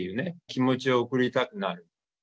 気持ちを送りたくなる。